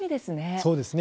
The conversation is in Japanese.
そうですね。